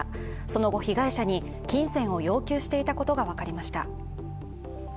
その後、被害者に金銭を要求していたことが分かりました。